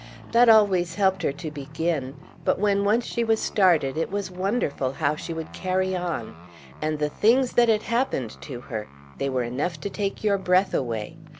That always helped her to begin; but when once she was started it was wonderful how she would carry on. And the things that had happened to her, they were enough to take your breath away.